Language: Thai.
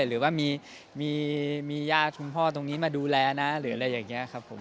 หรือว่ามีญาติชุมพ่อตรงนี้มาดูแลนะหรืออะไรอย่างนี้ครับผม